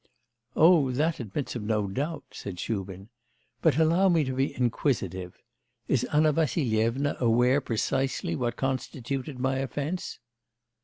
'Oh, that admits of no doubt!' said Shubin. 'But allow me to be inquisitive; is Anna Vassilyevna aware precisely what constituted my offence?